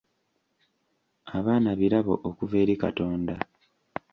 Abaana birabo okuva eri Katonda.